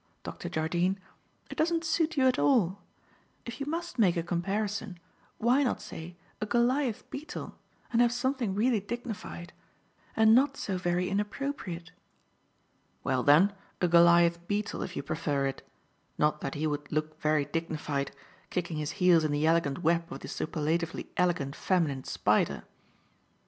Dr. Jardine. It doesn't suit you at all. If you must make a comparison, why not say a Goliath beetle, and have something really dignified and not so very inappropriate." "Well, then, a Goliath beetle, if you prefer it; not that he would look very dignified, kicking his heels in the elegant web of the superlatively elegant feminine spider."